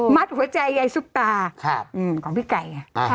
มัดหัวใจใยสุปราของพี่ไก่